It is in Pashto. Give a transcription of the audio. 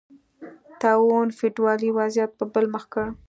طاعون فیوډالي وضعیت په بل مخ کړ